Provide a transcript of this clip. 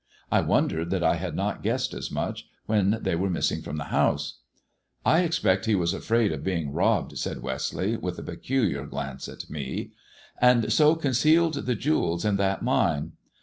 I wondered that I had not guessed as much, when they were inissing from the house. I expect he was afraid of being robbed," said Westleigh, with a peculiar glance at me, and so concealed the jewels in that mine.